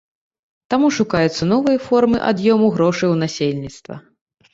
Таму шукаюцца новыя формы ад'ёму грошай у насельніцтва.